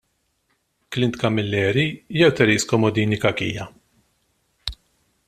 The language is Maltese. Clint Camilleri jew Therese Comodini Cachia?